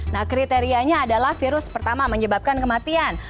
nah kriterianya adalah virus pertama menyebabkan kematian